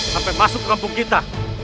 sampai masuk kampung kita